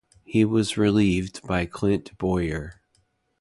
He was relieved by Clint Bowyer.